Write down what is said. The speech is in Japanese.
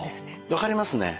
分かりますね。